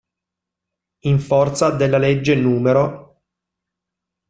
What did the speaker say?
In forza della legge n.